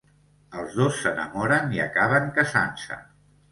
Els dos s’enamoren i acaben casant-se.